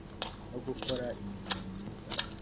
no gukora imirimo myiza